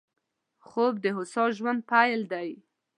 خوب د هوسا ژوند پيل دی